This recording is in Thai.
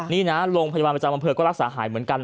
นี่นะโรงพยาบาลประจำอำเภอก็รักษาหายเหมือนกัน